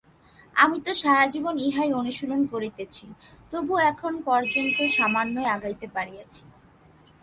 আমি তো সারাজীবন ইহাই অনুশীলন করিতেছি, তবু এখন পর্যন্ত সামান্যই আগাইতে পারিয়াছি।